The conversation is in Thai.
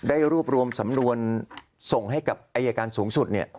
ได้รูปรวมสำนวนส่งให้กับอัยการสูงสุด